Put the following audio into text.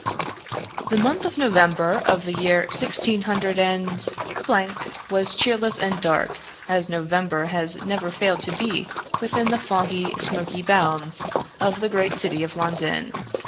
] The month of November of the year sixteen hundred and was cheerless and dark, as November has never failed to be within the foggy, smoky bounds of the great city of London.